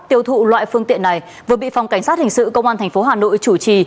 tiêu thụ loại phương tiện này vừa bị phòng cảnh sát hình sự công an tp hà nội chủ trì